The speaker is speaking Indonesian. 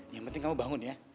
yang penting kamu bangun ya